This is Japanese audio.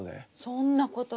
そんなことで。